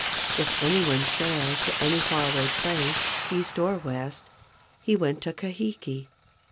If any one sailed to any far away place, east or west, he went to Kahiki.